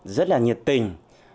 rất là nhiệt tình